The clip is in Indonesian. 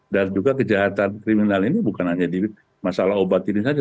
dan juga kejahatan kriminal ini bukan hanya di masalah obat ini saja